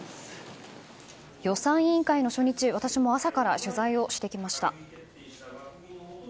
予算委員会の初日私も朝から取材をしてきました。